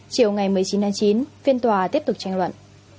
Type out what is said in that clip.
chiều ngày một mươi chín h năm mươi chín phiên tòa tiếp tục tranh luận